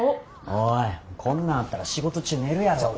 おいこんなんあったら仕事中寝るやろうが。